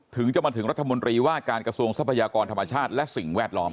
ถึงจะมาถึงรัฐมนตรีว่าการกระทรวงทรัพยากรธรรมชาติและสิ่งแวดล้อม